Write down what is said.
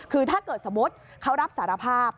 คือถ้าเกิดสมมุติเขารับสารภาพ